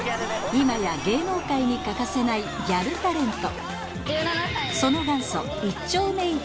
今や芸能界に欠かせないギャルタレント